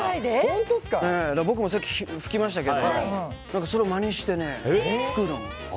僕もさっき吹きましたけどそれをまねして吹くの。